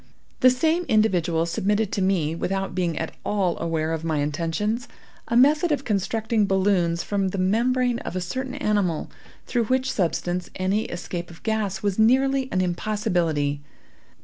The same individual submitted to me, without being at all aware of my intentions, a method of constructing balloons from the membrane of a certain animal, through which substance any escape of gas was nearly an impossibility.